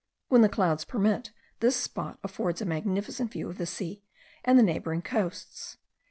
When the clouds permit, this spot affords a magnificent view of the sea, and the neighbouring coasts.